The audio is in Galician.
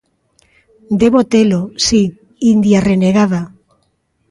Debo telo, si, india renegada.